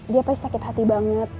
dia pasti sakit hati banget